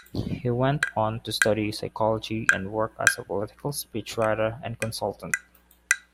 He went on to study psychology and work as a political speechwriter and consultant.